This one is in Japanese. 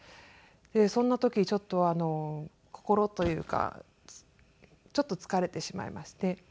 そんな時心というかちょっと疲れてしまいまして。